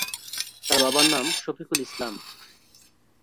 তার বাবার নাম শফিকুল ইসলাম।